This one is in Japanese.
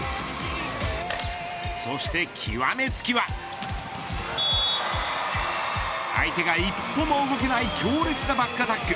そして、きわめつきは相手が一歩も動けない強烈なバックアタック。